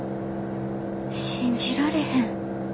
信じられへん。